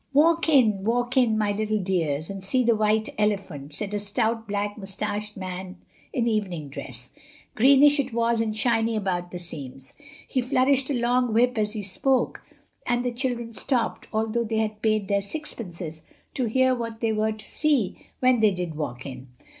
"Walk in, walk in, my little dears, and see the white elephant," said a stout, black mustached man in evening dress—greenish it was and shiny about the seams. He flourished a long whip as he spoke, and the children stopped, although they had paid their sixpences, to hear what they were to see when they did walk in.